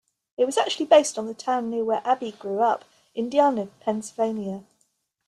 It was actually based on the town near where Abbey grew up, Indiana, Pennsylvania.